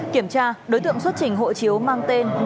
kiểm tra đối tượng xuất trình hộ chiếu mang tên